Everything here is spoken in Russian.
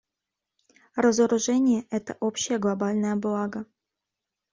Разоружение — это общее глобальное благо.